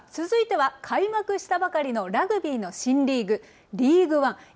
続いては開幕したばかりのラグビーの新リーグ、リーグワン。